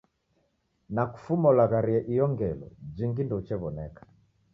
Na kufuma ulagharie iyo ngelo jingi ndouchew'oneka.